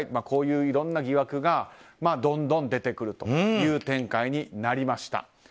こういういろんな疑惑がどんどん出てくるという展開になりました。